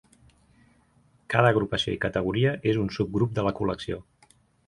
Cada agrupació i categoria és un subgrup de la col·lecció.